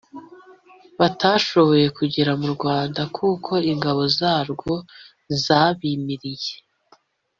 batashoboye kugera mu rwanda kuko ingabo zarwo zabimiriye.